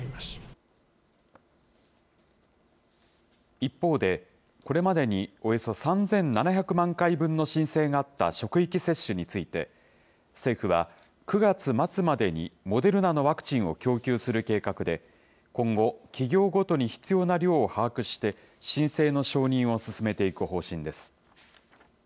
一方で、これまでにおよそ３７００万回分の申請があった職域接種について、政府は９月末までにモデルナのワクチンを供給する計画で、今後、企業ごとに必要な量を把握して、申請の承認を進めていく方針です。